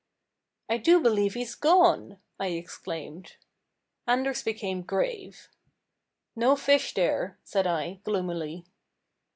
"I do believe he's gone!" I exclaimed. Anders became grave. "No fish there," said I, gloomily.